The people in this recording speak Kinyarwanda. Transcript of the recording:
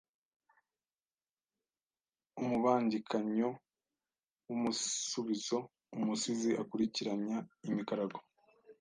Umubangikanyo w’umusubizo umusizi akurikiranya imikarago